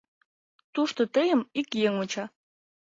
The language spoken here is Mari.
Тушто тыйым ик еҥ вуча.